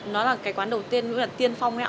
nó là cái quán đầu tiên nó là tiên phong ấy ạ